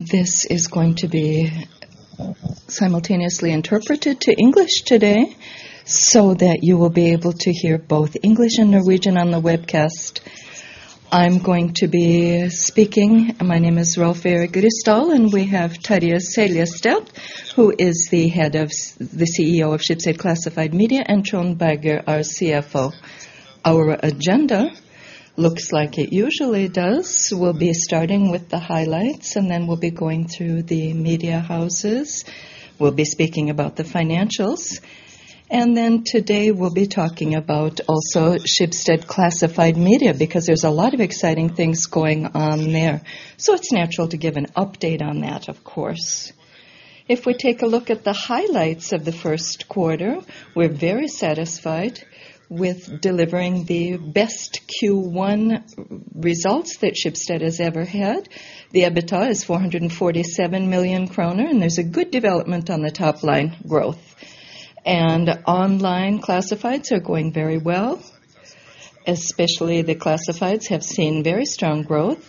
This is going to be simultaneously interpreted to English today, so that you will be able to hear both English and Norwegian on the webcast. I'm going to be speaking. My name is Rolv Erik Ryssdal, and we have Terje Seljeseth, who is the CEO of Schibsted Classified Media, and Trond Berger, our CFO. Our agenda looks like it usually does. We'll be starting with the highlights. Then we'll be going through the media houses. We'll be speaking about the financials. Then today, we'll be talking about also Schibsted Classified Media, because there's a lot of exciting things going on there. It's natural to give an update on that, of course. If we take a look at the highlights of the first quarter, we're very satisfied with delivering the best Q1 results that Schibsted has ever had. The EBITDA is 447 million kroner, there's a good development on the top line growth. Online classifieds are going very well, especially the classifieds have seen very strong growth.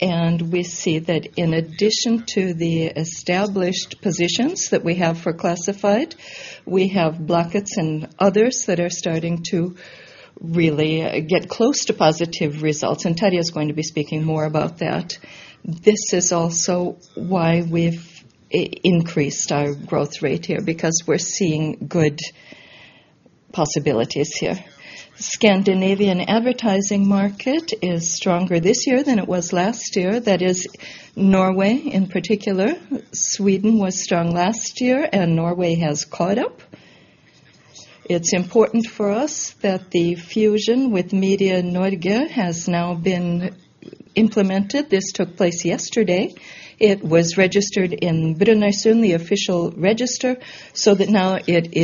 We see that in addition to the established positions that we have for classified, we have Blocket and others that are starting to really get close to positive results, and Terje is going to be speaking more about that. This is also why we've increased our growth rate here, because we're seeing good possibilities here. Scandinavian advertising market is stronger this year than it was last year. That is Norway, in particular. Sweden was strong last year and Norway has caught up. It's important for us that the fusion with Media Norge has now been implemented. This took place yesterday. It was registered in Brønnøysund, the official register, so that now it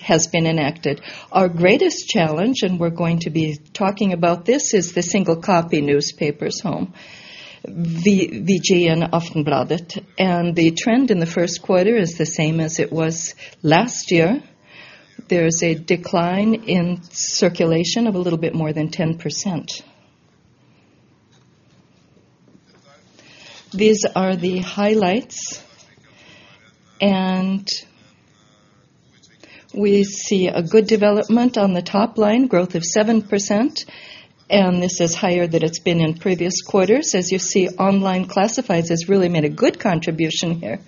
has been enacted. Our greatest challenge, and we're going to be talking about this, is the single copy newspapers home, VG and Aftonbladet. The trend in Q1 is the same as it was last year. There is a decline in circulation of a little bit more than 10%. These are the highlights, and we see a good development on the top line, growth of 7%, and this is higher than it's been in previous quarters. As you see, online classifieds has really made a good contribution here.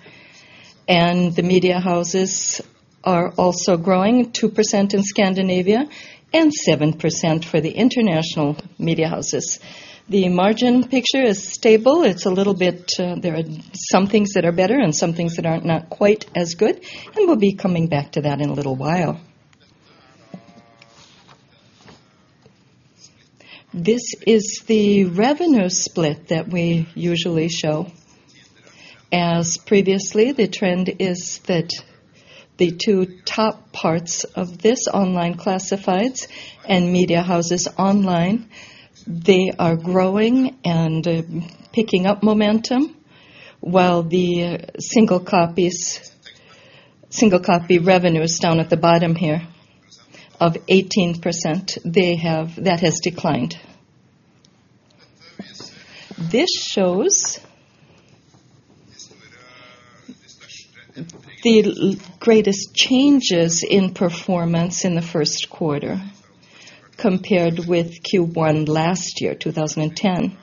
The media houses are also growing 2% in Scandinavia and 7% for the international media houses. The margin picture is stable. It's a little bit. There are some things that are better and some things that are not quite as good. We'll be coming back to that in a little while. This is the revenue split that we usually show. As previously, the trend is that the two top parts of this online classifieds and media houses online, they are growing and picking up momentum. While the single copy revenue is down at the bottom here of 18%, that has declined. This shows the greatest changes in performance in the first quarter compared with Q1 last year, 2010.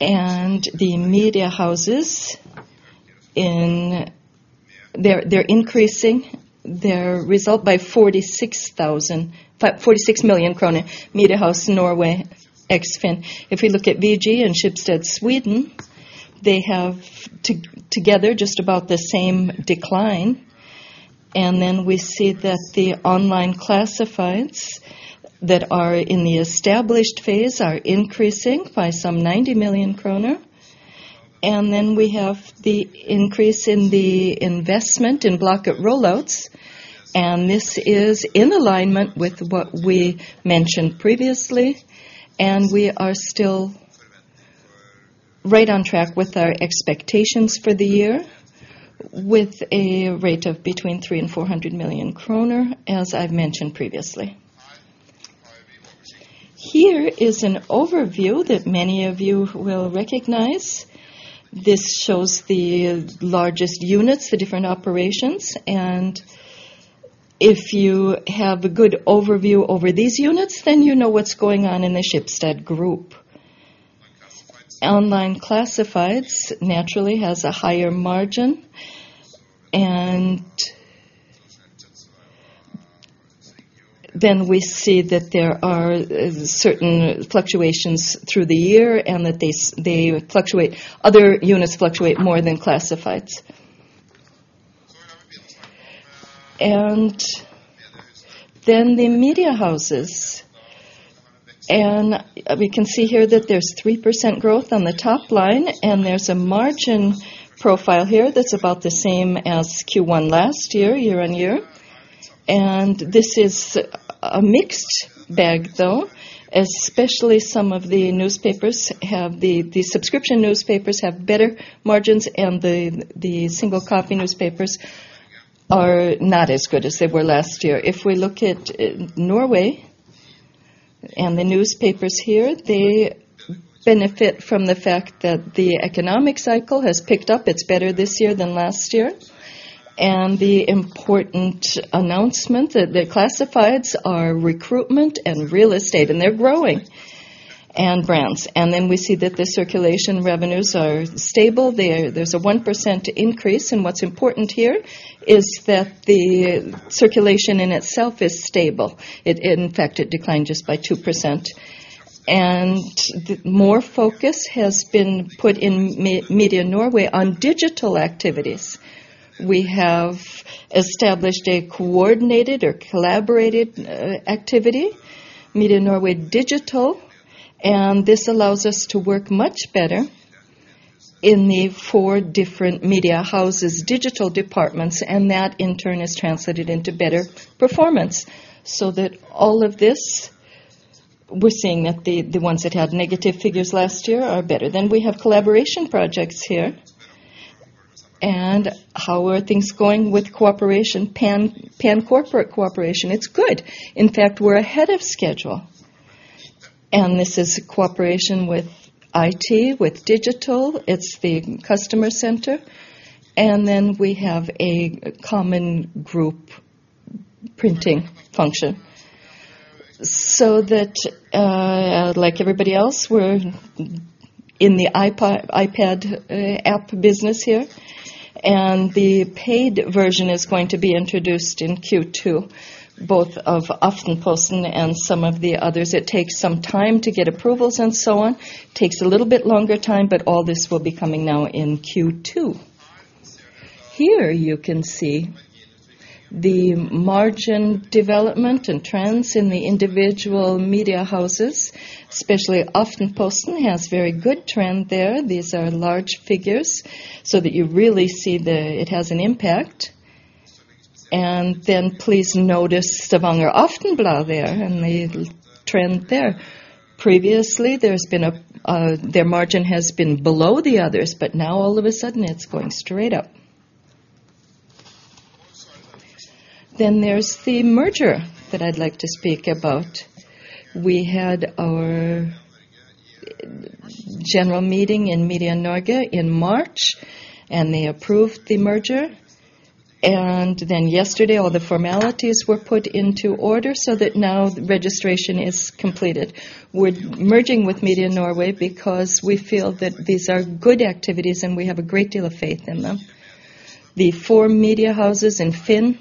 The media houses are increasing their result by 46 million kroner, Media House Norway ex FINN. If we look at VG and Schibsted Sweden, they have together just about the same decline. We see that the online classifieds that are in the established phase are increasing by some 90 million kroner. We have the increase in the investment in Blocket rollouts, and this is in alignment with what we mentioned previously, and we are still right on track with our expectations for the year, with a rate of between 300 million and 400 million kroner, as I've mentioned previously. Here is an overview that many of you will recognize. This shows the largest units, the different operations, and if you have a good overview over these units, then you know what's going on in the Schibsted group. Online classifieds, naturally, has a higher margin. We see that there are certain fluctuations through the year and that they fluctuate. Other units fluctuate more than classifieds. The media houses. We can see here that there's 3% growth on the top line, and there's a margin profile here that's about the same as Q1 last year-on-year. This is a mixed bag, though. The subscription newspapers have better margins, and the single copy newspapers are not as good as they were last year. If we look at Norway. The newspapers here, they benefit from the fact that the economic cycle has picked up. It's better this year than last year. The important announcement that the classifieds are recruitment and real estate, and they're growing, and brands. We see that the circulation revenues are stable. There's a 1% increase, and what's important here is that the circulation in itself is stable. In fact, it declined just by 2%. More focus has been put in Media House Norway on digital activities. We have established a coordinated or collaborated activity, Media Norge Digital, and this allows us to work much better in the four different media houses' digital departments, and that in turn is translated into better performance. All of this, we're seeing that the ones that had negative figures last year are better. We have collaboration projects here. How are things going with cooperation, pan-corporate cooperation? It's good. In fact, we're ahead of schedule. This is cooperation with IT, with digital, it's the customer center, and then we have a common group printing function. Like everybody else, we're in the iPad app business here. The paid version is going to be introduced in Q2, both of Aftenposten and some of the others. It takes some time to get approvals and so on. It takes a little bit longer time, all this will be coming now in Q2. Here, you can see the margin development and trends in the individual media houses, especially Aftenposten has very good trend there. These are large figures, that you really see that it has an impact. Please notice Stavanger Aftenblad there and the trend there. Previously, there's been a. Their margin has been below the others, now all of a sudden, it's going straight up. There's the merger that I'd like to speak about. We had our general meeting in Media Norge in March, they approved the merger. Yesterday, all the formalities were put into order so that now the registration is completed. We're merging with Media Norway because we feel that these are good activities, and we have a great deal of faith in them. The four media houses in FINN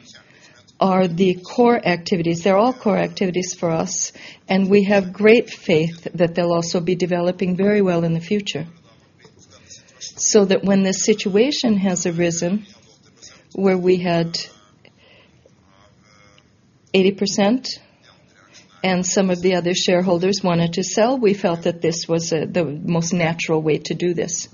are the core activities. They're all core activities for us, and we have great faith that they'll also be developing very well in the future. When the situation has arisen, where we had 80% and some of the other shareholders wanted to sell, we felt that this was the most natural way to do this.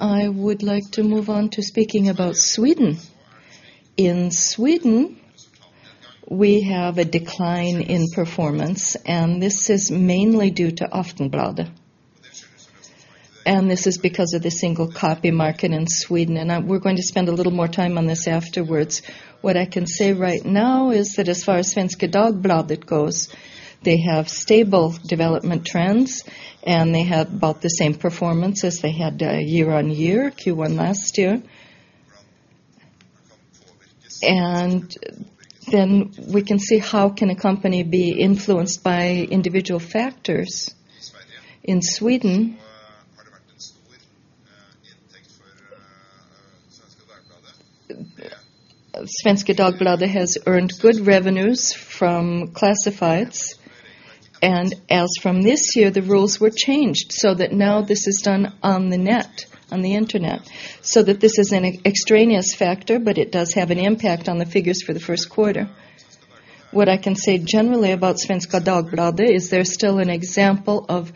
I would like to move on to speaking about Sweden. In Sweden, we have a decline in performance, and this is mainly due to Aftonbladet. This is because of the single copy market in Sweden. We're going to spend a little more time on this afterwards. What I can say right now is that as far as Svenska Dagbladet goes, they have stable development trends, and they have about the same performance as they had year-on-year, Q1 last year. We can see how can a company be influenced by individual factors. In Sweden, Svenska Dagbladet has earned good revenues from classifieds. From this year, the rules were changed so that now this is done on the net, on the Internet. This is an extraneous factor, but it does have an impact on the figures for the first quarter. Svenska Dagbladet is still an example of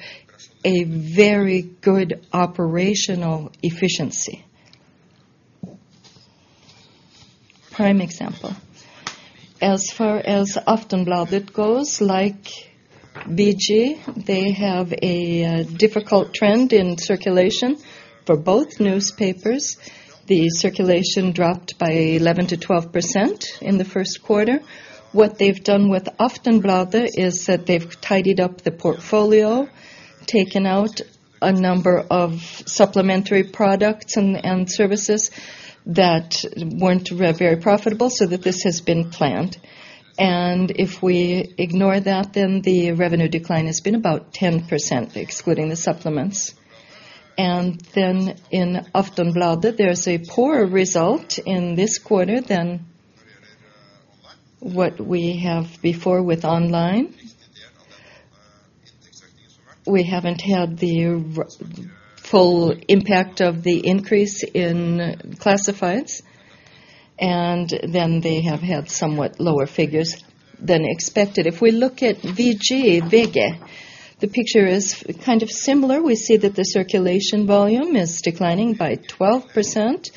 a very good operational efficiency. Prime example. As far as Aftonbladet goes, like VG, they have a difficult trend in circulation for both newspapers. The circulation dropped by 11%-12% in the first quarter. What they've done with Aftonbladet is that they've tidied up the portfolio, taken out a number of supplementary products and services that weren't very profitable, so that this has been planned. If we ignore that, then the revenue decline has been about 10%, excluding the supplements. In Aftonbladet, there is a poor result in this quarter than what we have before with online. We haven't had the full impact of the increase in classifieds, and then they have had somewhat lower figures than expected. If we look at VG, the picture is kind of similar. We see that the circulation volume is declining by 12%.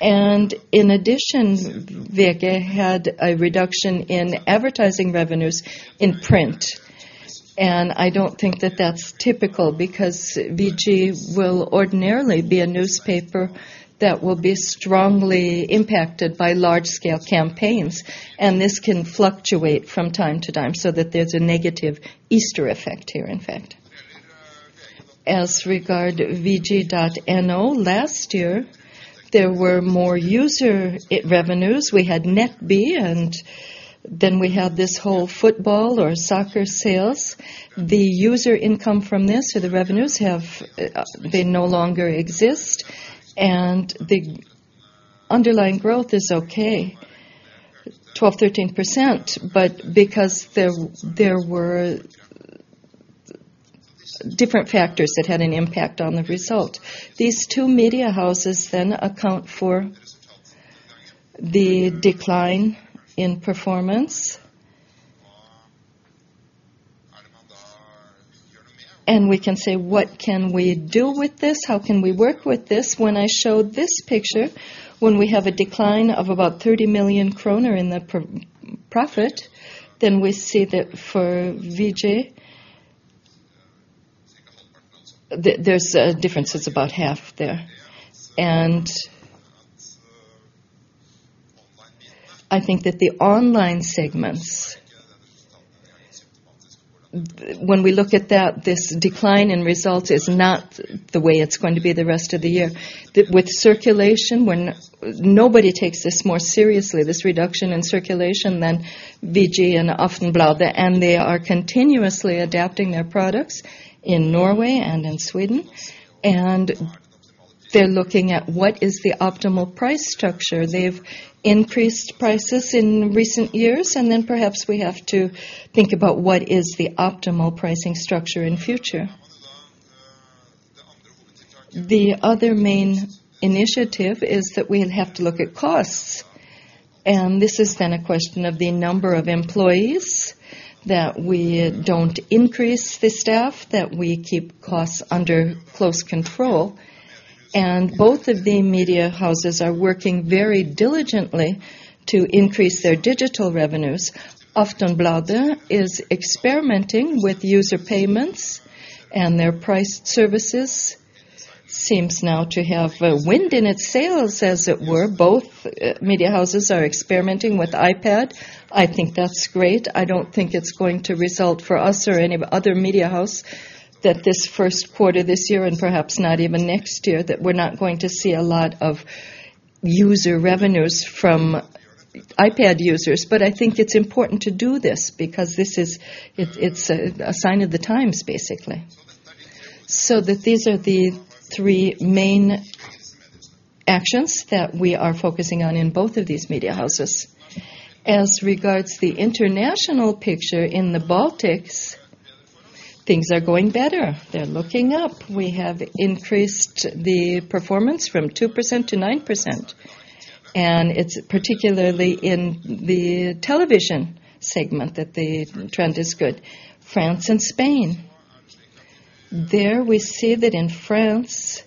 In addition, VG had a reduction in advertising revenues in print. I don't think that that's typical because VG will ordinarily be a newspaper that will be strongly impacted by large scale campaigns, and this can fluctuate from time to time so that there's a negative Easter effect here, in fact. As regards vg.no, last year, there were more user revenues. We had Nettby, and then we have this whole football or soccer sales. The user income from this or the revenues, they no longer exist, and the underlying growth is okay, 12%, 13%. Because there were different factors that had an impact on the result. These two media houses account for the decline in performance. We can say, what can we do with this? How can we work with this? When I showed this picture, when we have a decline of about 30 million kroner in the profit, then we see that for VG, there's differences about half there. I think that the online segments, when we look at that, this decline in results is not the way it's going to be the rest of the year. With circulation, nobody takes this more seriously, this reduction in circulation than VG and Aftonbladet. They are continuously adapting their products in Norway and in Sweden. They're looking at what is the optimal price structure. They've increased prices in recent years. Perhaps we have to think about what is the optimal pricing structure in future. The other main initiative is that we have to look at costs. This has been a question of the number of employees that we don't increase the staff, that we keep costs under close control. Both of the media houses are working very diligently to increase their digital revenues. Aftonbladet is experimenting with user payments, and their priced services seems now to have a wind in its sails, as it were. Both media houses are experimenting with iPad. I think that's great. I don't think it's going to result for us or any other media house that this first quarter this year and perhaps not even next year, that we're not going to see a lot of user revenues from iPad users. I think it's important to do this because this is. It's a sign of the times, basically. These are the three main actions that we are focusing on in both of these media houses. As regards the international picture in the Baltics, things are going better. They're looking up. We have increased the performance from 2% to 9%, and it's particularly in the television segment that the trend is good. France and Spain. There we see that in France,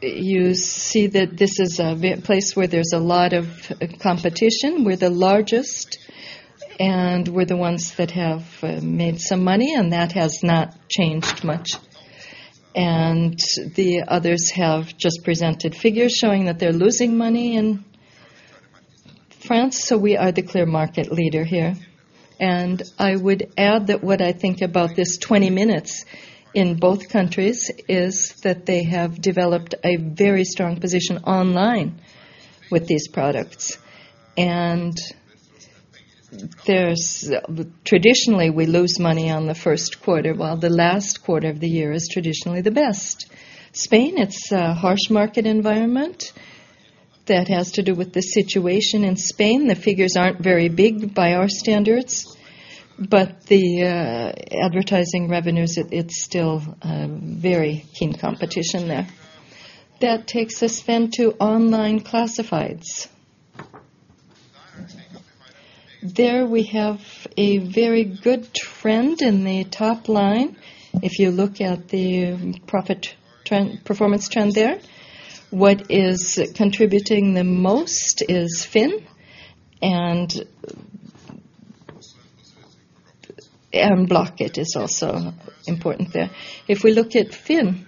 you see that this is a place where there's a lot of competition. We're the largest, and we're the ones that have made some money, and that has not changed much. The others have just presented figures showing that they're losing money in France, so we are the clear market leader here. I would add that what I think about this 20 minutes in both countries is that they have developed a very strong position online with these products. Traditionally, we lose money on the first quarter, while the last quarter of the year is traditionally the best. Spain, it's a harsh market environment that has to do with the situation in Spain. The figures aren't very big by our standards, but the advertising revenues, it's still very keen competition there. That takes us then to online classifieds. There we have a very good trend in the top line if you look at the profit trend, performance trend there. What is contributing the most is FINN and Blocket is also important there. If we look at FINN,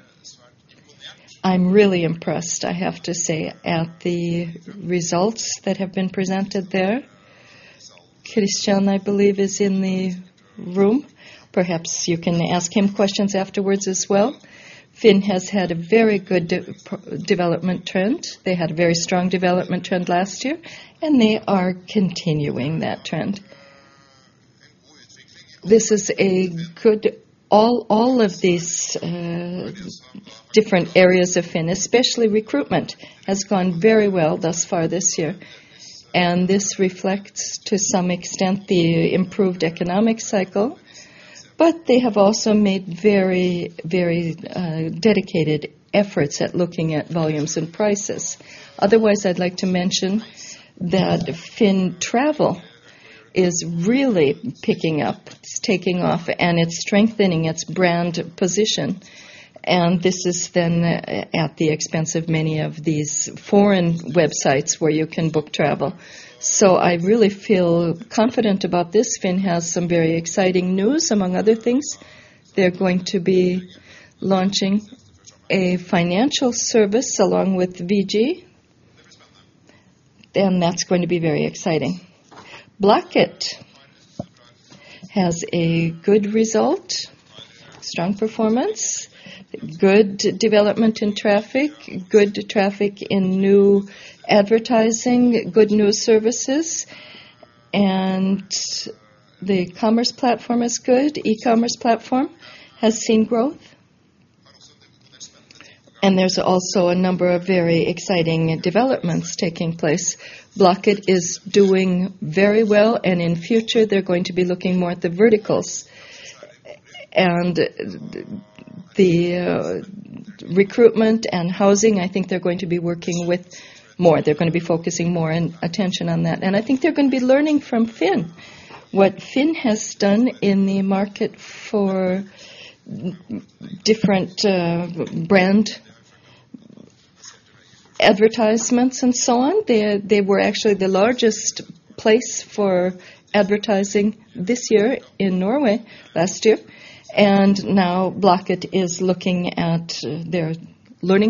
I'm really impressed, I have to say, at the results that have been presented there. Christian, I believe, is in the room. Perhaps you can ask him questions afterwards as well. FINN has had a very good development trend. They had a very strong development trend last year, and they are continuing that trend. This is a good. All of these different areas of FINN, especially recruitment, has gone very well thus far this year. This reflects, to some extent, the improved economic cycle, but they have also made very, very dedicated efforts at looking at volumes and prices. I'd like to mention that FINN Travel is really picking up. It's taking off, and it's strengthening its brand position. This is then at the expense of many of these foreign websites where you can book travel. I really feel confident about this. FINN has some very exciting news. Among other things, they're going to be launching a financial service along with VG. That's going to be very exciting. Blocket has a good result, strong performance, good development in traffic, good traffic in new advertising, good new services, and the commerce platform is good. E-commerce platform has seen growth. There's also a number of very exciting developments taking place. Blocket is doing very well, and in future, they're going to be looking more at the verticals. The recruitment and housing, I think they're going to be working with more. They're gonna be focusing more attention on that. I think they're gonna be learning from FINN, what FINN has done in the market for different brand advertisements and so on. They were actually the largest place for advertising this year in Norway last year. Now Blocket is learning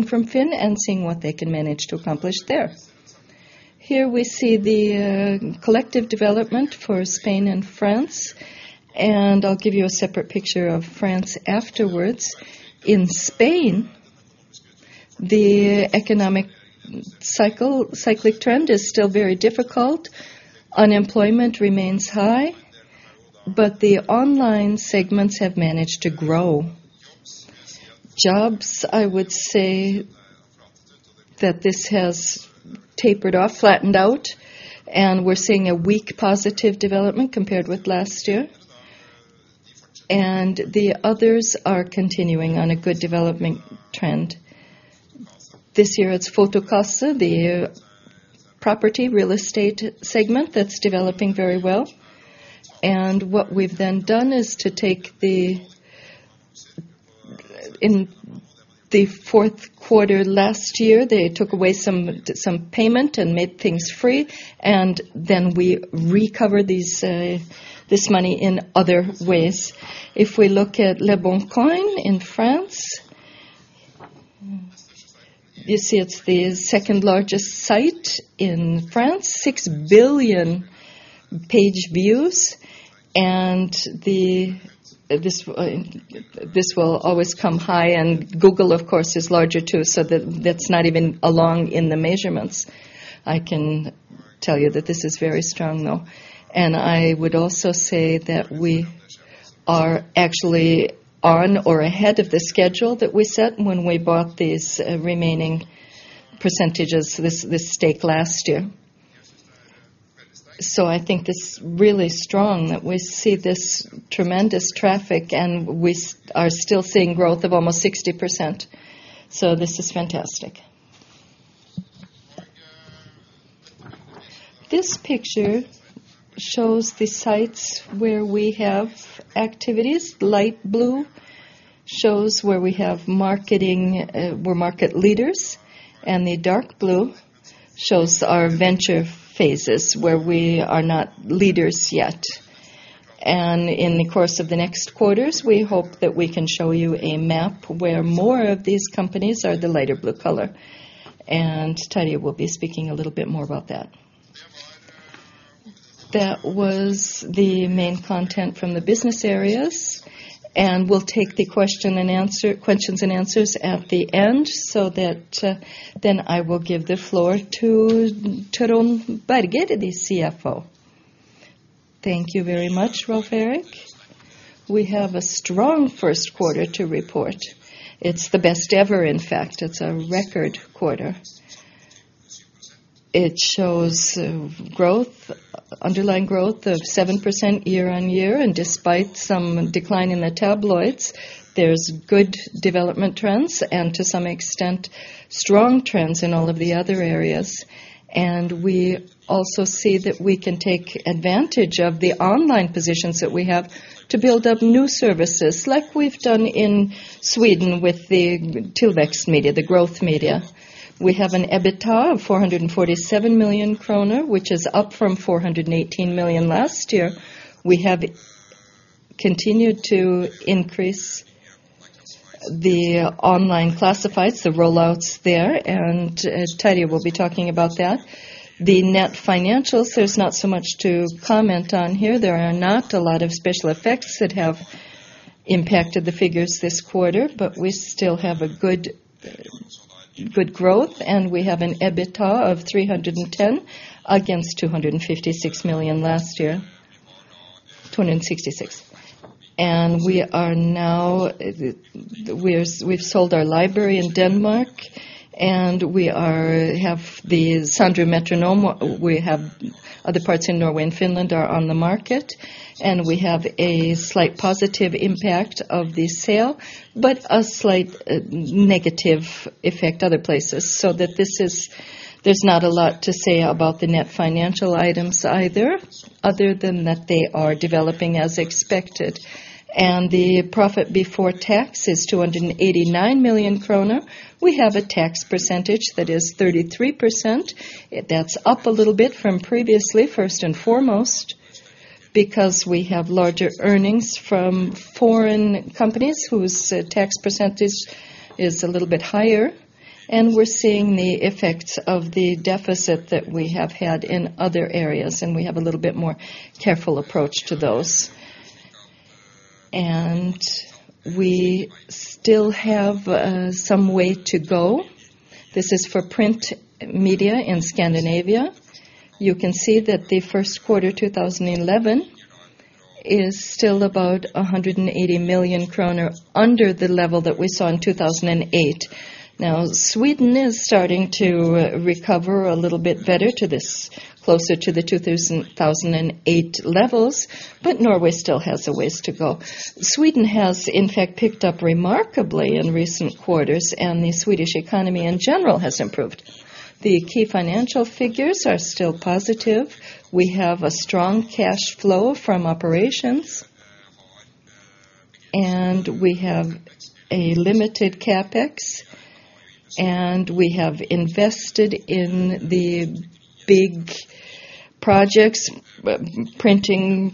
from FINN and seeing what they can manage to accomplish there. Here we see the collective development for Spain and France, and I'll give you a separate picture of France afterwards. In Spain, the cyclic trend is still very difficult. Unemployment remains high, but the online segments have managed to grow. Jobs, I would say that this has tapered off, flattened out, and we're seeing a weak positive development compared with last year. The others are continuing on a good development trend. This year, it's Fotocasa, the property real estate segment that's developing very well. What we've then done is to take the, In the fourth quarter last year, they took away some payment and made things free, and then we recovered these this money in other ways. If we look at leboncoin in France, you see it's the second-largest site in France, six billion page views. This will always come high, and Google, of course, is larger too, so that's not even along in the measurements. I can tell you that this is very strong, though. I would also say that we are actually on or ahead of the schedule that we set when we bought these remaining percentages, this stake last year. I think it's really strong that we see this tremendous traffic, and we are still seeing growth of almost 60%. This is fantastic. This picture shows the sites where we have activities. Light blue shows where we have marketing, we're market leaders, and the dark blue shows our venture phases, where we are not leaders yet. In the course of the next quarters, we hope that we can show you a map where more of these companies are the lighter blue color. Terje will be speaking a little bit more about that. That was the main content from the business areas, and we'll take the questions and answers at the end so that then I will give the floor to Trond Berger, the CFO. Thank you very much, Rolv Erik. We have a strong first quarter to report. It's the best ever, in fact. It's a record quarter. It shows growth, underlying growth of 7% year-on-year. Despite some decline in the tabloids, there's good development trends and to some extent, strong trends in all of the other areas. We also see that we can take advantage of the online positions that we have to build up new services like we've done in Sweden with the Tillväxtmedier, the growth media. We have an EBITDA of 447 million kroner, which is up from 418 million last year. We have continued to increase the online classifieds, the rollouts there. Terje will be talking about that. The net financials, there's not so much to comment on here. There are not a lot of special effects that have impacted the figures this quarter. We still have good growth. We have an EBITDA of 310 million against 256 million last year, 266 million. We've sold our library in Denmark. We have the Sandrew Metronome. We have other parts in Norway and Finland are on the market, and we have a slight positive impact of the sale, but a slight negative effect other places so that there's not a lot to say about the net financial items either, other than that they are developing as expected. The profit before tax is 289 million kroner. We have a tax percentage that is 33%. That's up a little bit from previously, first and foremost, because we have larger earnings from foreign companies whose tax percentage is a little bit higher, and we're seeing the effects of the deficit that we have had in other areas, and we have a little bit more careful approach to those. We still have some way to go. This is for print media in Scandinavia. You can see that the first quarter, 2011 is still about 180 million kroner under the level that we saw in 2008. Sweden is starting to recover a little bit better to this, closer to the 2000-2008 levels, but Norway still has a ways to go. Sweden has in fact picked up remarkably in recent quarters, and the Swedish economy in general has improved. The key financial figures are still positive. We have a strong cash flow from operations. We have a limited CapEx, and we have invested in the big projects, printing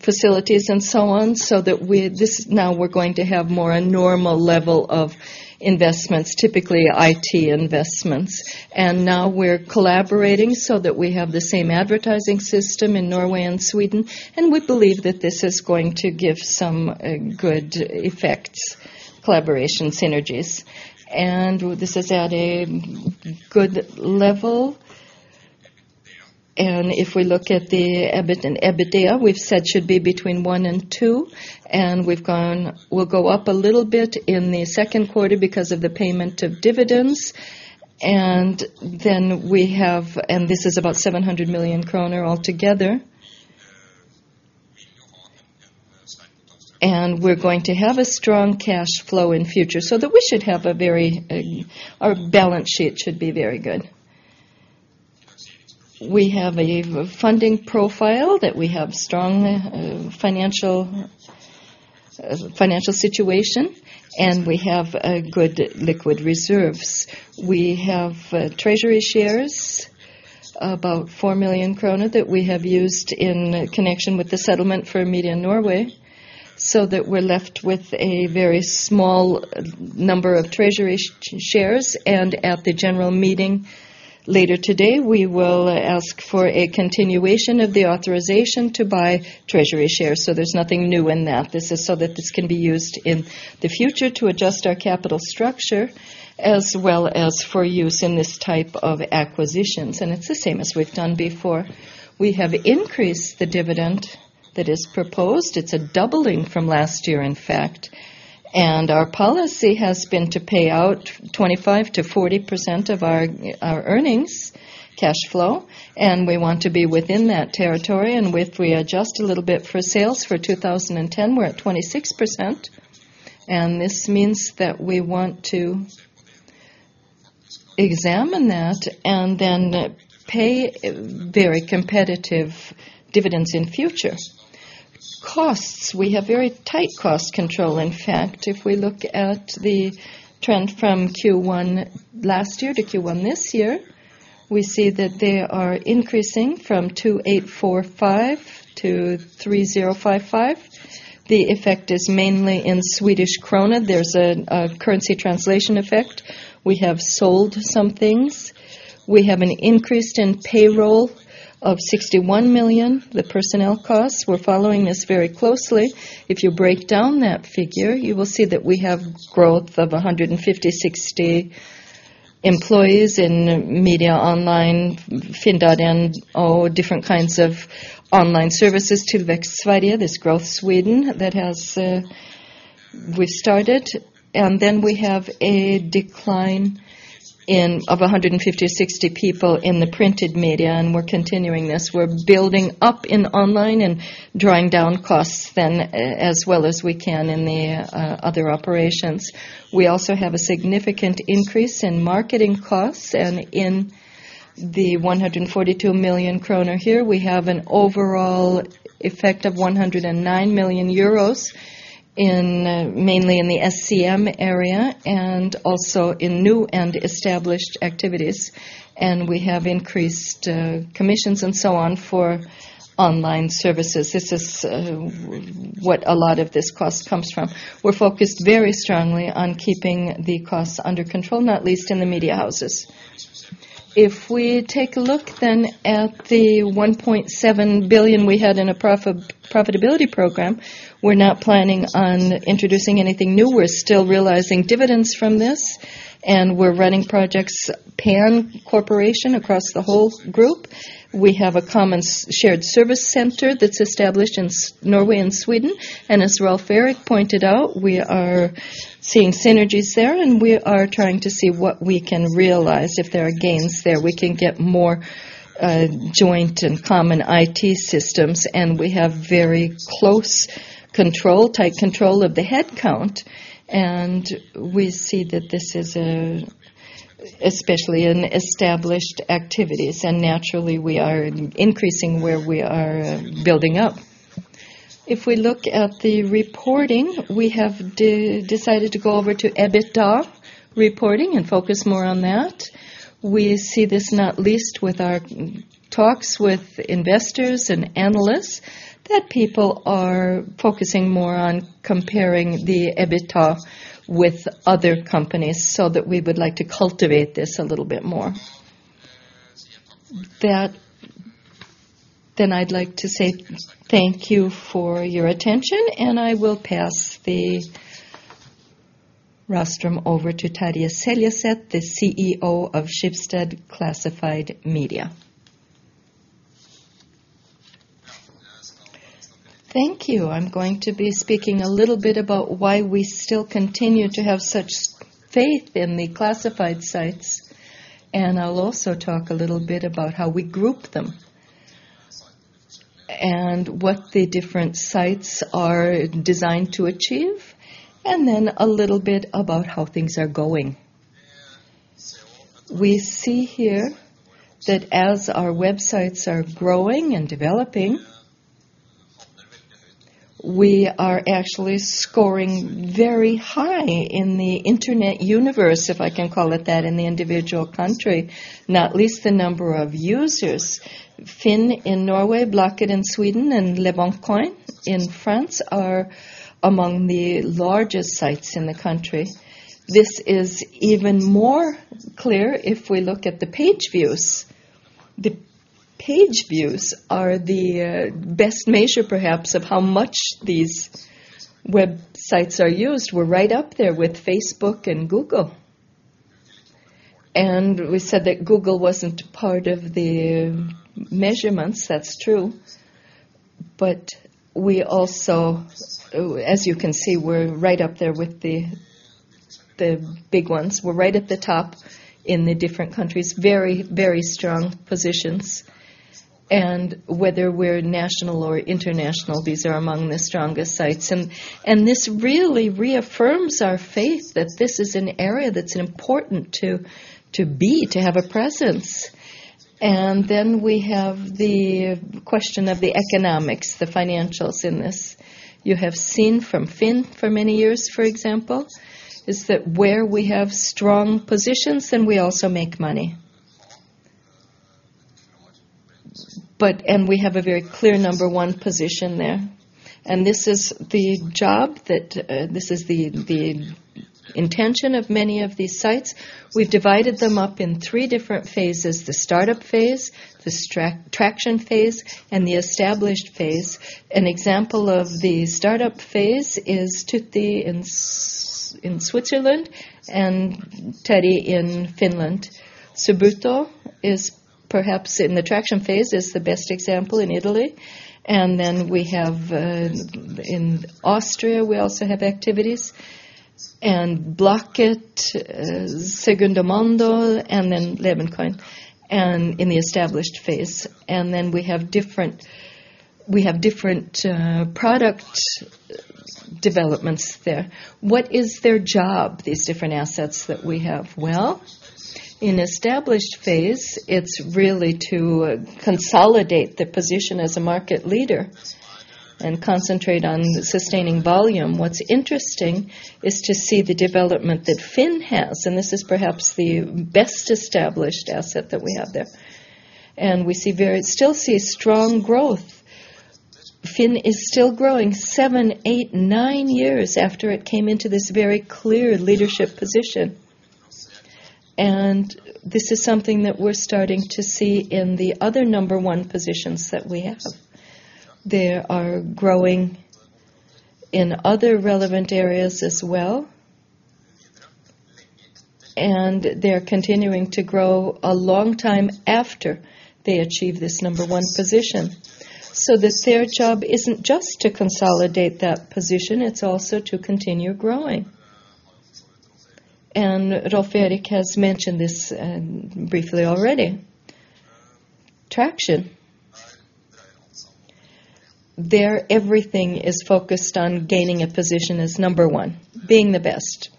facilities and so on, so that we now we're going to have more a normal level of investments, typically IT investments. Now we're collaborating so that we have the same advertising system in Norway and Sweden, and we believe that this is going to give some good effects, collaboration synergies. This is at a good level. If we look at the EBIT and EBITDA, we've said should be between one and two, and we'll go up a little bit in the second quarter because of the payment of dividends. This is about 700 million kroner altogether. We're going to have a strong cash flow in future, so that we should have a very, Our balance sheet should be very good. We have a funding profile that we have strong financial situation, and we have good liquid reserves. We have treasury shares, about 4 million krone that we have used in connection with the settlement for Media Norge, so that we're left with a very small number of treasury shares. At the general meeting later today, we will ask for a continuation of the authorization to buy treasury shares, so there's nothing new in that. This is so that this can be used in the future to adjust our capital structure, as well as for use in this type of acquisitions. It's the same as we've done before. We have increased the dividend that is proposed. It's a doubling from last year, in fact. Our policy has been to pay out 25%-40% of our earnings cash flow, and we want to be within that territory. We adjust a little bit for sales for 2010, we're at 26%. This means that we want to examine that and then pay very competitive dividends in future. Costs. We have very tight cost control, in fact. If we look at the trend from Q1 last year to Q1 this year, we see that they are increasing from 2,845 million to 3,055 million. The effect is mainly in SEK. There's a currency translation effect. We have sold some things. We have an increase in payroll of 61 million, the personnel costs. We're following this very closely. If you break down that figure, you will see that we have growth of 150-160 employees in Media Online, FINN.no, different kinds of online services to Växtsverige, this Growth Sweden that has, we've started. We have a decline of 150-160 people in the printed media. We're continuing this. We're building up in online and drawing down costs then as well as we can in the other operations. We also have a significant increase in marketing costs and in the 142 million kroner here. We have an overall effect of 109 million euros, mainly in the SCM area and also in new and established activities. We have increased commissions and so on for online services. This is what a lot of this cost comes from. We're focused very strongly on keeping the costs under control, not least in the media houses. If we take a look then at the 1.7 billion we had in a profitability program, we're not planning on introducing anything new. We're still realizing dividends from this. We're running projects pan corporation across the whole group. We have a common shared service center that's established in Norway and Sweden. As Rolv Erik pointed out, we are seeing synergies there, and we are trying to see what we can realize. If there are gains there, we can get more joint and common IT systems. We have very close control, tight control of the headcount. We see that this is especially in established activities. Naturally, we are increasing where we are building up. If we look at the reporting, we have decided to go over to EBITDA reporting and focus more on that. We see this not least with our talks with investors and analysts, that people are focusing more on comparing the EBITDA with other companies, so that we would like to cultivate this a little bit more. I'd like to say thank you for your attention, and I will pass the rostrum over to Terje Seljeseth, the CEO of Schibsted Classified Media. Thank you. I'm going to be speaking a little bit about why we still continue to have such faith in the classified sites, and I'll also talk a little bit about how we group them and what the different sites are designed to achieve, and then a little bit about how things are going. We see here that as our websites are growing and developing, we are actually scoring very high in the internet universe, if I can call it that, in the individual country. Not least the number of users. FINN in Norway, Blocket in Sweden, and leboncoin in France are among the largest sites in the country. This is even more clear if we look at the page views. The page views are the best measure perhaps of how much these websites are used. We're right up there with Facebook and Google. We said that Google wasn't part of the measurements. That's true. As you can see, we're right up there with the big ones. We're right at the top in the different countries. Very, very strong positions. Whether we're national or international, these are among the strongest sites. This really reaffirms our faith that this is an area that's important to be, to have a presence. We have the question of the economics, the financials in this. You have seen from FINN for many years, for example, is that where we have strong positions, then we also make money. We have a very clear number one position there. This is the job that this is the intention of many of these sites. We've divided them up in three different phases: the startup phase, the traction phase, and the established phase. An example of the startup phase is tutti.ch in Switzerland and Tori in Finland. Subito is perhaps in the traction phase, is the best example in Italy. We have in Austria, we also have activities. Blocket, Segundamano, and then leboncoin, and in the established phase. We have different product developments there. What is their job, these different assets that we have? In established phase, it's really to consolidate their position as a market leader and concentrate on sustaining volume. What's interesting is to see the development that FINN has, and this is perhaps the best established asset that we have there. We still see strong growth. FINN is still growing seven, eight, nine years after it came into this very clear leadership position. This is something that we're starting to see in the other number one positions that we have. They are growing in other relevant areas as well, and they're continuing to grow a long time after they achieve this number one position. Their job isn't just to consolidate that position, it's also to continue growing. Rolv Erik has mentioned this briefly already. Traction. There, everything is focused on gaining a position as number one, being the best.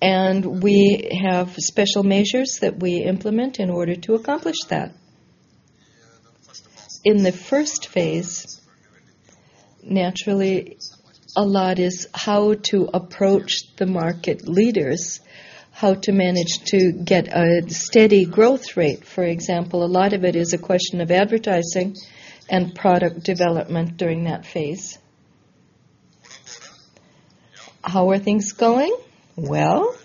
We have special measures that we implement in order to accomplish that. In the first phase, naturally, a lot is how to approach the market leaders, how to manage to get a steady growth rate. For example, a lot of it is a question of advertising and product development during that phase. How are things going? Well,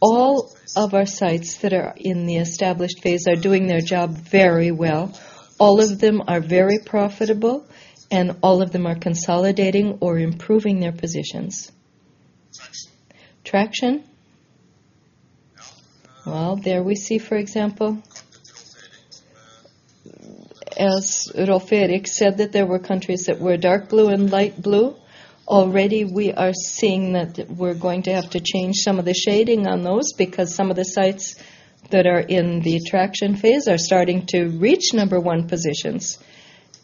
all of our sites that are in the established phase are doing their job very well. All of them are very profitable, and all of them are consolidating or improving their positions. Traction. Well, there we see, for example, as Rolv Erik said that there were countries that were dark blue and light blue. Already we are seeing that we're going to have to change some of the shading on those, because some of the sites that are in the attraction phase are starting to reach number one positions.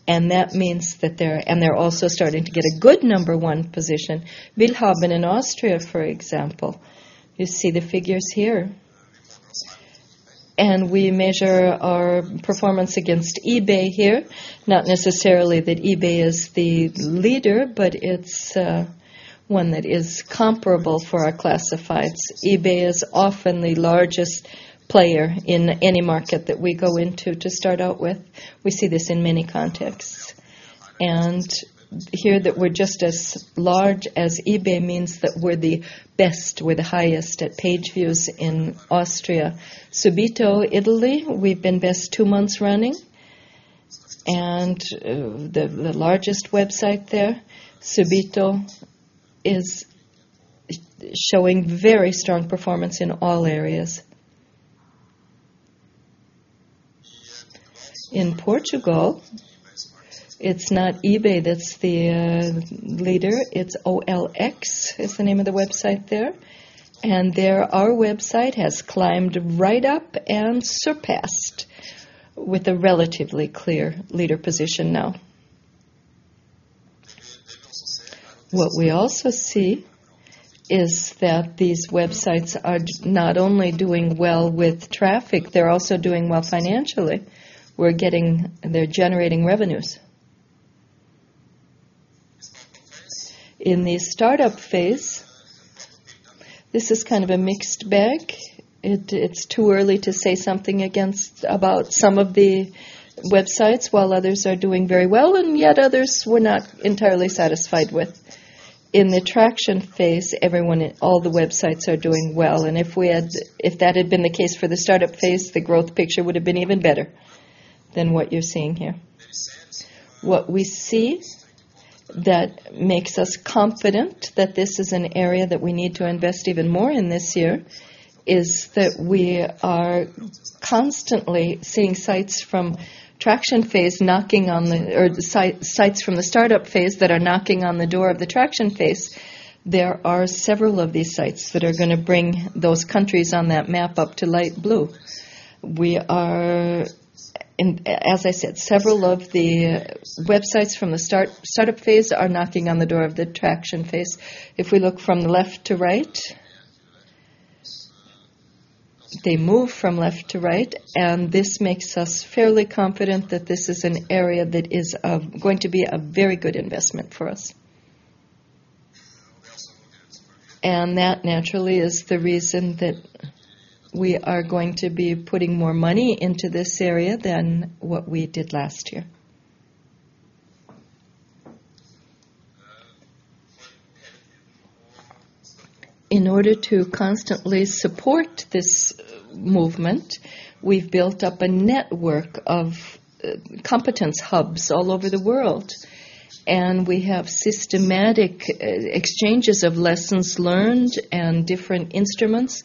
That means that they're also starting to get a good number one position. Willhaben in Austria, for example, you see the figures here. We measure our performance against eBay here. Not necessarily that eBay is the leader, but it's one that is comparable for our classifieds. eBay is often the largest player in any market that we go into to start out with. We see this in many contexts. Here that we're just as large as eBay means that we're the best. We're the highest at page views in Austria. Subito, Italy, we've been best two months running, and the largest website there. Subito is showing very strong performance in all areas. In Portugal, it's not eBay that's the leader, it's OLX is the name of the website there. There, our website has climbed right up and surpassed with a relatively clear leader position now. We also see that these websites are not only doing well with traffic, they're also doing well financially. They're generating revenues. In the startup phase, this is kind of a mixed bag. It's too early to say something about some of the websites, while others are doing very well, and yet others we're not entirely satisfied with. In the traction phase, everyone, all the websites are doing well. If that had been the case for the startup phase, the growth picture would have been even better than what you're seeing here. What we see that makes us confident that this is an area that we need to invest even more in this year, is that we are constantly seeing or sites from the startup phase that are knocking on the door of the traction phase. There are several of these sites that are gonna bring those countries on that map up to light blue. We are, as I said, several of the websites from the startup phase are knocking on the door of the traction phase. If we look from left to right. They move from left to right, and this makes us fairly confident that this is an area that is going to be a very good investment for us. That, naturally, is the reason that we are going to be putting more money into this area than what we did last year. In order to constantly support this movement, we've built up a network of competence hubs all over the world, and we have systematic exchanges of lessons learned and different instruments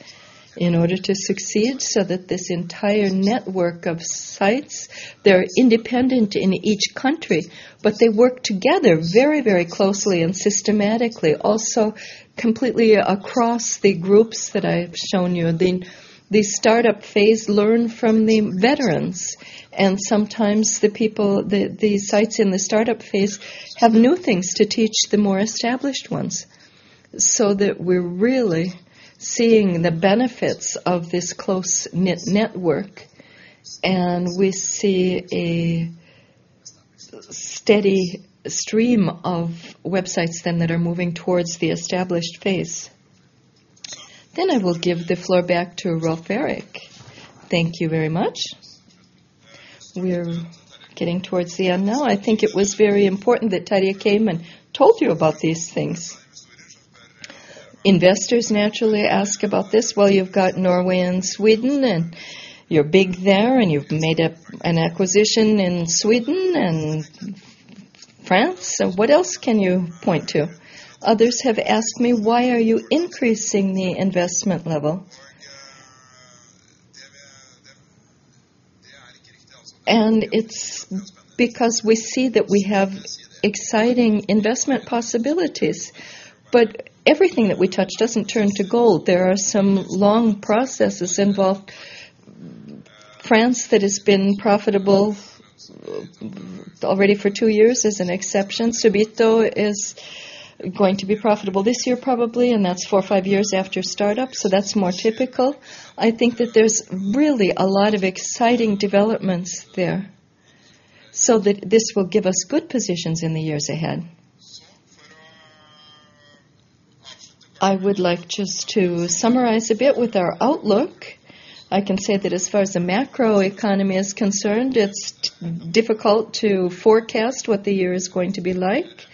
in order to succeed so that this entire network of sites, they're independent in each country, but they work together very, very closely and systematically. Completely across the groups that I've shown you. The startup phase learn from the veterans. Sometimes the people, the sites in the startup phase have new things to teach the more established ones, so that we're really seeing the benefits of this close-knit network, and we see a steady stream of websites then that are moving towards the established phase. I will give the floor back to Rolv Erik. Thank you very much. We're getting towards the end now. I think it was very important that Terje came and told you about these things. Investors naturally ask about this. You've got Norway and Sweden, you're big there, you've made up an acquisition in Sweden and France. What else can you point to? Others have asked me, "Why are you increasing the investment level?" It's because we see that we have exciting investment possibilities. Everything that we touch doesn't turn to gold. There are some long processes involved. France that has been profitable already for two years is an exception. Subito is going to be profitable this year, probably, that's four or five years after startup, that's more typical. I think that there's really a lot of exciting developments there, so that this will give us good positions in the years ahead. I would like just to summarize a bit with our outlook. I can say that as far as the macroeconomy is concerned, it's difficult to forecast what the year is going to be like.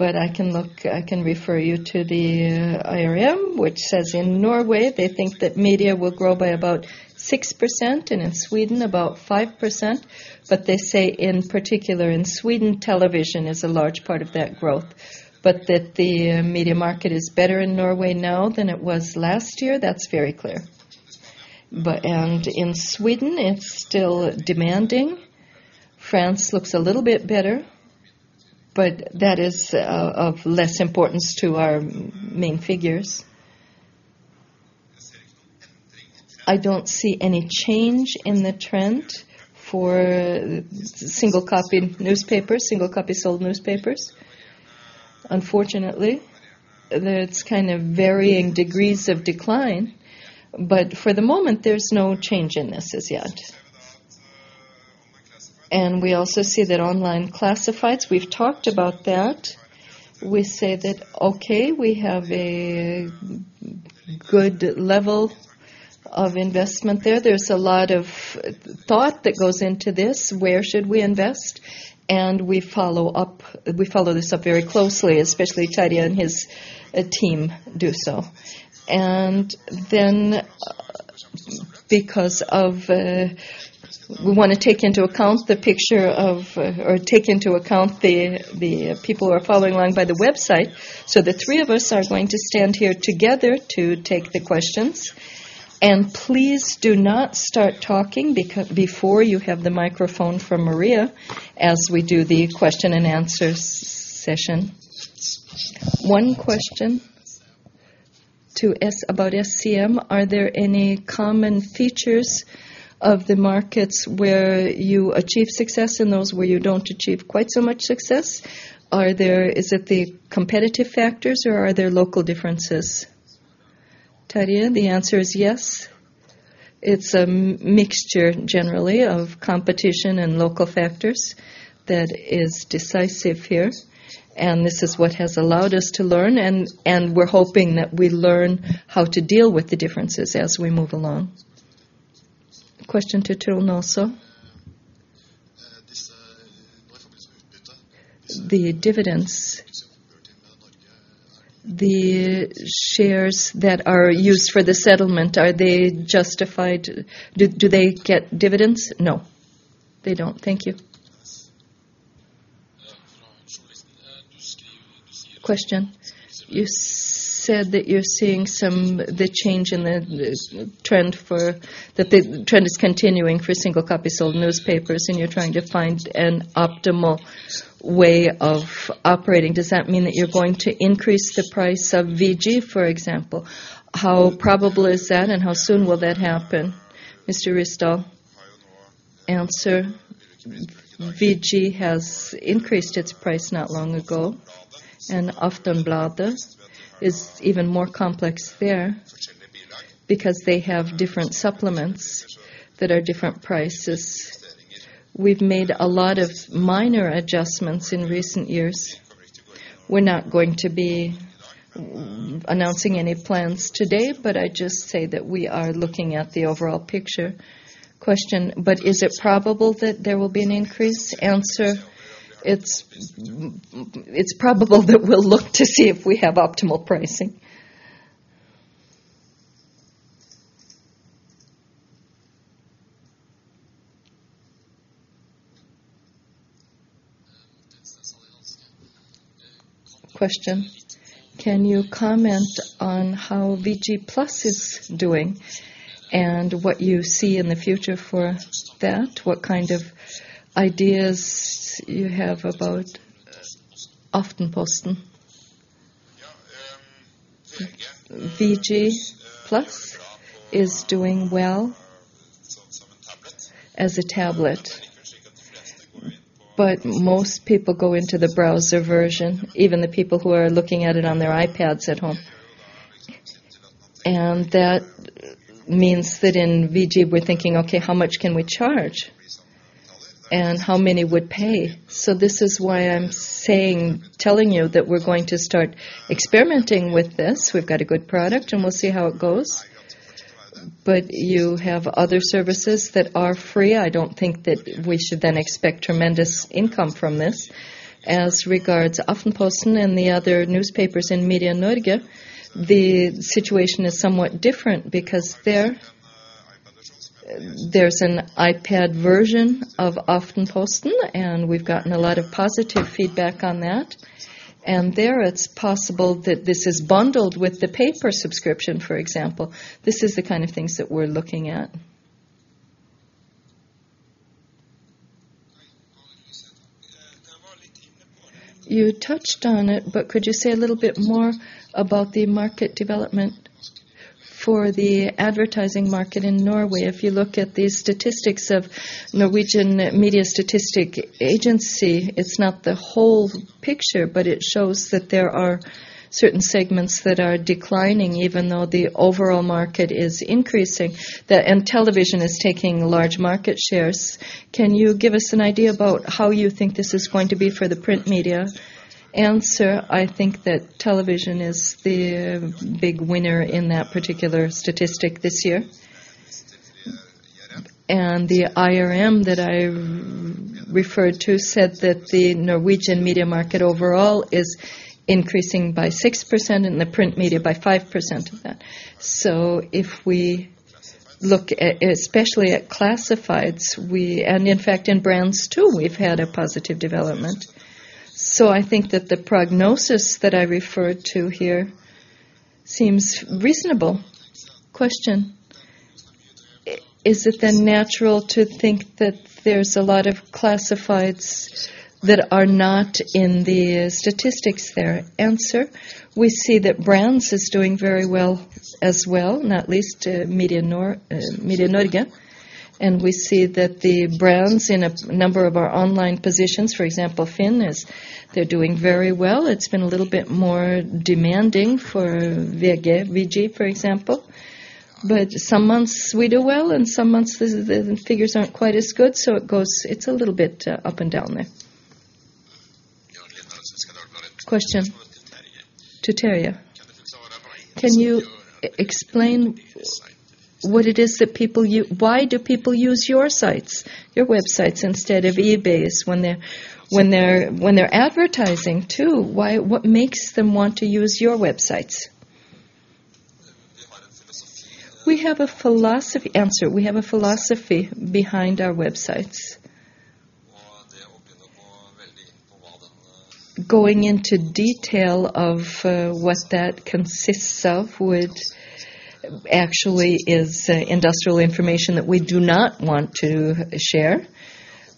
I can refer you to the IRM, which says, in Norway, they think that media will grow by about 6%, and in Sweden, about 5%. They say in particular in Sweden, television is a large part of that growth. That the media market is better in Norway now than it was last year. That's very clear. In Sweden, it's still demanding. France looks a little bit better, but that is of less importance to our main figures. I don't see any change in the trend for single copy newspapers, single copy sold newspapers. Unfortunately, there's kind of varying degrees of decline, but for the moment, there's no change in this as yet. We also see that online classifieds, we've talked about that. We say that, okay, we have a good level of investment there. There's a lot of thought that goes into this, where should we invest? We follow this up very closely, especially Terje and his team do so. Because of we wanna take into account the people who are following along by the website. The three of us are going to stand here together to take the questions. Please do not start talking before you have the microphone from Maria as we do the question and answer session. One question about SCM, are there any common features of the markets where you achieve success and those where you don't achieve quite so much success? Is it the competitive factors or are there local differences? Terje, the answer is yes. It's a mixture generally of competition and local factors that is decisive here, and this is what has allowed us to learn, and we're hoping that we learn how to deal with the differences as we move along. Question to Trond also. The dividends, the shares that are used for the settlement, are they justified? Do they get dividends? No. They don't. Thank you. Question. You said that you're seeing some, the change in the trend for, that the trend is continuing for single copy sold newspapers, and you're trying to find an optimal way of operating. Does that mean that you're going to increase the price of VG, for example? How probable is that, and how soon will that happen? Mr. Ryssdal. VG has increased its price not long ago, and Aftonbladet is even more complex there because they have different supplements that are different prices. We've made a lot of minor adjustments in recent years. We're not going to be announcing any plans today, but I just say that we are looking at the overall picture. Is it probable that there will be an increase? It's probable that we'll look to see if we have optimal pricing. Can you comment on how VG Pluss is doing and what you see in the future for that? What kind of ideas you have about Aftenposten? VG Pluss is doing well as a tablet. Most people go into the browser version, even the people who are looking at it on their iPads at home. That means that in VG, we're thinking, okay, how much can we charge? How many would pay? This is why I'm saying, telling you that we're going to start experimenting with this. We've got a good product, and we'll see how it goes. You have other services that are free. I don't think that we should then expect tremendous income from this. As regards Aftenposten and the other newspapers in Media Norge, the situation is somewhat different because there's an iPad version of Aftenposten, we've gotten a lot of positive feedback on that. There, it's possible that this is bundled with the paper subscription, for example. This is the kind of things that we're looking at. You touched on it, could you say a little bit more about the market development for the advertising market in Norway? If you look at the statistics of Norwegian Media Statistic Agency, it's not the whole picture, it shows that there are certain segments that are declining even though the overall market is increasing, and television is taking large market shares. Can you give us an idea about how you think this is going to be for the print media? I think that television is the big winner in that particular statistic this year. The IRM that I referred to said that the Norwegian media market overall is increasing by 6% and the print media by 5% of that. If we look especially at classifieds, And in fact, in brands, too, we've had a positive development. I think that the prognosis that I referred to here seems reasonable. Is it then natural to think that there's a lot of classifieds that are not in the statistics there? We see that brands is doing very well, as well, not least to Media Norge. We see that the brands in a number of our online positions, for example, FINN, they're doing very well. It's been a little bit more demanding for VG, for example. Some months we do well, and some months the figures aren't quite as good. It's a little bit up and down there. Question to Terje. Can you explain what it is that people why do people use your sites, your websites instead of eBay's when they're advertising too? What makes them want to use your websites? Answer. We have a philosophy behind our websites. Going into detail of what that consists of actually is industrial information that we do not want to share.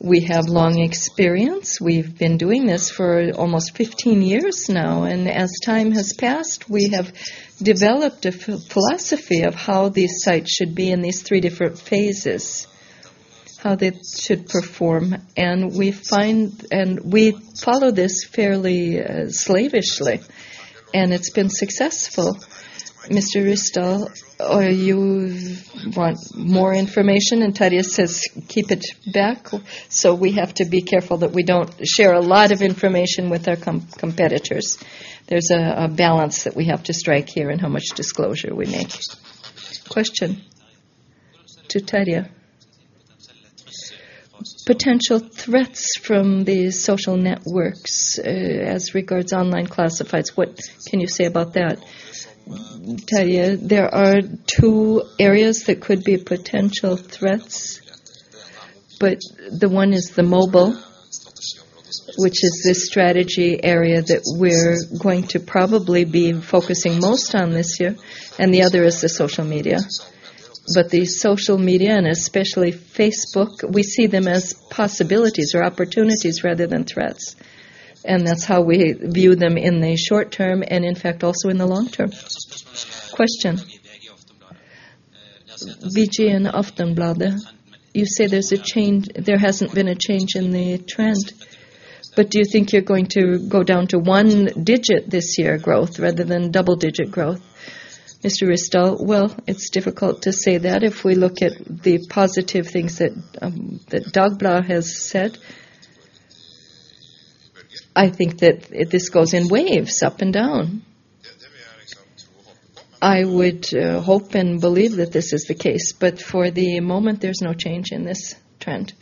We have long experience. We've been doing this for almost 15 years now, and as time has passed, we have developed a philosophy of how these sites should be in these three different phases, how they should perform. We follow this fairly slavishly, and it's been successful. Mr. Ryssdal, or you want more information, Terje says, "Keep it back." We have to be careful that we don't share a lot of information with our competitors. There's a balance that we have to strike here in how much disclosure we make. Question to Terje. Potential threats from these social networks as regards online classifieds, what can you say about that? Terje. There are two areas that could be potential threats. The one is the mobile, which is the strategy area that we're going to probably be focusing most on this year. The other is the social media. The social media, and especially Facebook, we see them as possibilities or opportunities rather than threats. That's how we view them in the short term and, in fact, also in the long term. Question. VG and Aftonbladet. You say there hasn't been a change in the trend, do you think you're going to go down to one-digit this year growth rather than double-digit growth? Mr. Ryssdal. Well, it's difficult to say that. If we look at the positive things that Dagbladet has said, I think that this goes in waves, up and down. I would hope and believe that this is the case, for the moment, there's no change in this trend.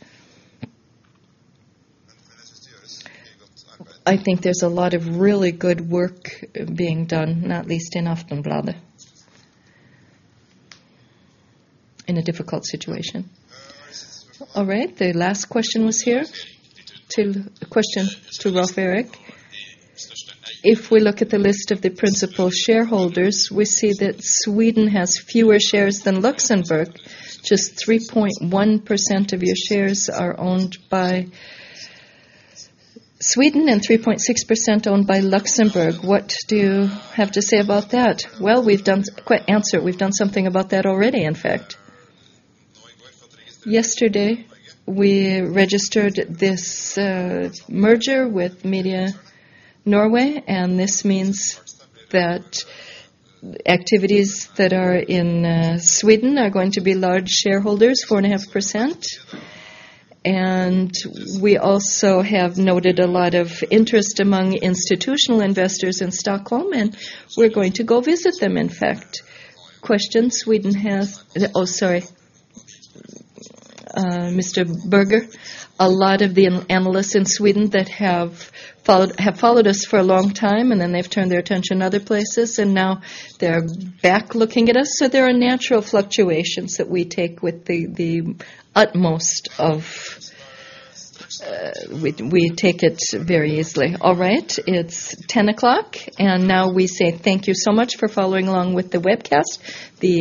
I think there's a lot of really good work being done, not at least in Aftonbladet in a difficult situation. All right. The last question was here. Question to Rolv Erik. If we look at the list of the principal shareholders, we see that Sweden has fewer shares than Luxembourg. Just 3.1% of your shares are owned by Sweden and 3.6% owned by Luxembourg. What do you have to say about that? Well, we've done something about that already, in fact. Yesterday, we registered this merger with Media Norway. This means that activities that are in Sweden are going to be large shareholders, 4.5%. We also have noted a lot of interest among institutional investors in Stockholm, and we're going to go visit them, in fact. Oh, sorry. Mr. Berger, a lot of the analysts in Sweden that have followed us for a long time, and then they've turned their attention other places, and now they're back looking at us. There are natural fluctuations that we take with the utmost of, we take it very easily. All right. It's 10 o'clock, and now we say thank you so much for following along with the webcast. The